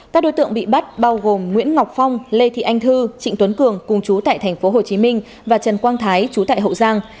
các đối tượng bị bắt bao gồm nguyễn ngọc phong lê thị anh thư trịnh tuấn cường cùng chú tại tp hcm và trần quang thái chú tại hậu giang